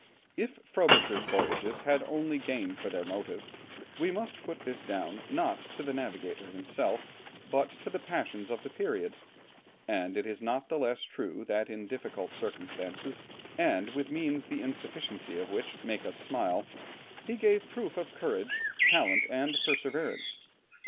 If Frobisher's voyages had only gain for their motive, we must put this down not to the navigator himself, but to the passions of the period, and it is not the less true that in difficult circumstances, and with means the insufficiency of which makes us smile, he gave proof of courage, talent, and perseverance.